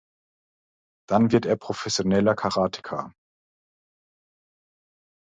Dann wird er professioneller Karateka.